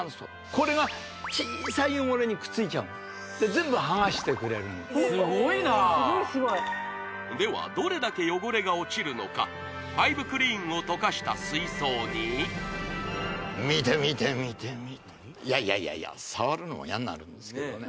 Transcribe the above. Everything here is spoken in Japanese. これが小さい汚れにくっついちゃうで全部剥がしてくれるすごいなではファイブクリーンを溶かした水槽に見て見て見て見ていやいやいやいや触るのも嫌になるんですけどね